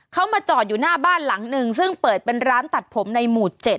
เขามาจอดอยู่หน้าบ้านหลังหนึ่งซึ่งเปิดเป็นร้านตัดผมในหมู่๗